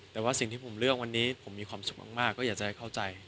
แต่ว่าสิ่งที่ผมเลือกวันนี้ผมมีความสุขมากก็อยากจะเข้าใจ